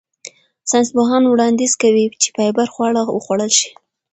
ساینسپوهان وړاندیز کوي چې فایبر خواړه وخوړل شي.